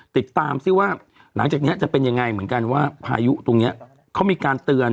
ติดตามซิว่าหลังจากนี้จะเป็นยังไงเหมือนกันว่าพายุตรงเนี้ยเขามีการเตือน